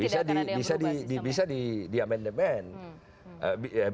jadi tidak akan ada yang berubah sih sama sama